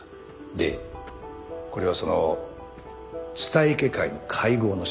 でこれはその蔦池会の会合の写真です。